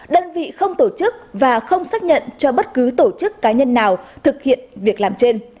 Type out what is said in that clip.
đơn vị không tổ chức và không xác nhận cho bất cứ tổ chức cá nhân nào thực hiện việc làm trên